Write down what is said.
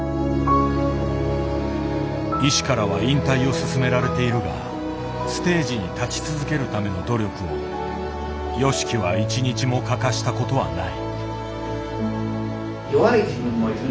医師からは引退を勧められているがステージに立ち続けるための努力をＹＯＳＨＩＫＩは一日も欠かしたことはない。